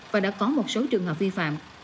và đã có một số trường hợp vi phạm